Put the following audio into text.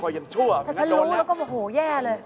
ยังชั่วถ้าฉันรู้แล้วก็โหแย่เลยน่าโดนนะ